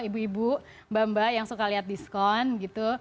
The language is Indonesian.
ibu ibu mba mba yang suka lihat diskon gitu